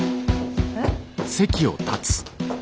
えっ？